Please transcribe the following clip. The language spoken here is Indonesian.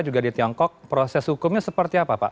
juga di tiongkok proses hukumnya seperti apa pak